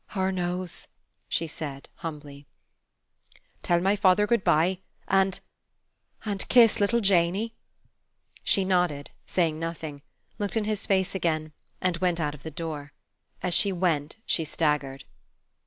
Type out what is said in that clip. "Hur knows," she said, humbly. "Tell my father good bye; and and kiss little Janey." She nodded, saying nothing, looked in his face again, and went out of the door. As she went, she staggered.